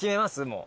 もう。